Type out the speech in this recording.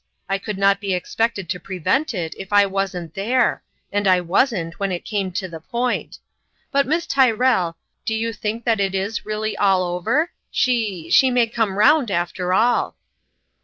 I could not be expected to prevent it, if I wasn't there ; and I wasn't, when it came to the point. But, Miss Tyrrell, do you think in l)is oton Coin. 149 that it is really all over ? She she may come round after all